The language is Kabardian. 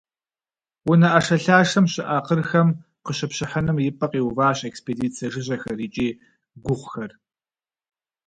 Унэ ӏэшэлъашэм щыӏэ къырхэм къыщыпщыхьыным и пӏэ къиуващ экспедицэ жыжьэхэр икӏи гугъухэр.